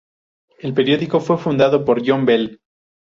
El periódico fue fundado por John Bell.